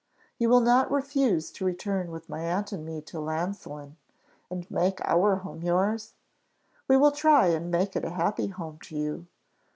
You will not refuse to return with my aunt and me to Llansillen, and make our home yours? We will try and make it a happy home to you.